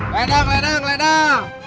ledang ledang ledang